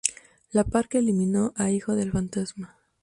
La Parka eliminó a Hijo del Fantasma.